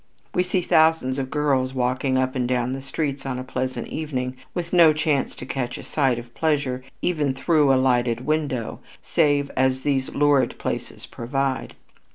We see thousands of girls walking up and down the streets on a pleasant evening with no chance to catch a sight of pleasure even through a lighted window, save as these lurid places provide it.